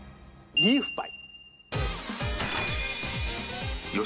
リーフパイ。